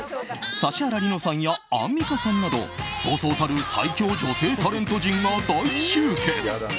指原莉乃さんやアンミカさんなどそうそうたる最強女性タレント陣が大集結。